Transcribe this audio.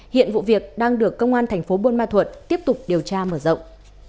hiện vụ việc đang được công an thành phố bôn ma thuột tiếp tục điều tra mở rộng